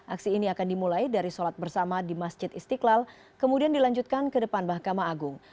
aksi ini akan dimulai dari sholat bersama di masjid istiqlal kemudian dilanjutkan ke depan mahkamah agung